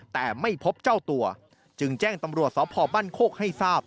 แต่ไม่พบเจ้าตัวจึงแจ้งตำรวจสพบ้านโคกให้ทราบ